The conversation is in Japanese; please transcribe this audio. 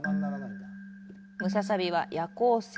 ムササビは夜行性。